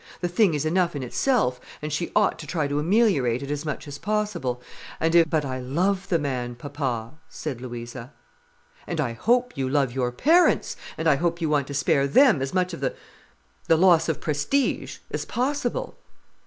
The thing is enough in itself, and she ought to try to ameliorate it as much as possible. And if——" "But I love the man, papa," said Louisa. "And I hope you love your parents, and I hope you want to spare them as much of the—the loss of prestige, as possible."